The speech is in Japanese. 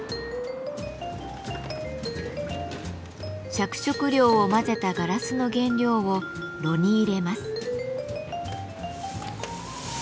着色料を混ぜたガラスの原料を炉に入れます。